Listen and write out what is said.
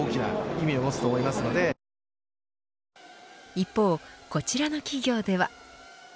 一方こちらの企業では。